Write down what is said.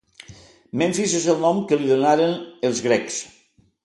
Memfis és el nom que li donaren els grecs.